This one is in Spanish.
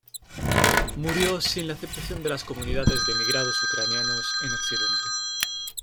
Murió sin la aceptación de las comunidades de emigrados ucranianos en occidente.